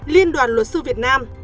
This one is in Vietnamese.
liên đoàn luật sư việt nam